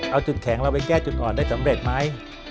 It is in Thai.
เอาจุดแข็งเราไปแก้จุดอ่อนได้สำเร็จไหม